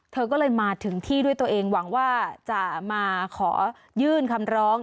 เธอก็เลยมาถึงที่ด้วยตัวเองหวังว่าจะมาขอยื่นคำร้อง